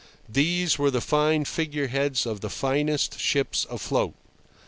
These were the fine figure heads of the finest ships afloat.